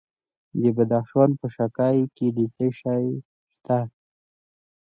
د بدخشان په شکی کې څه شی شته؟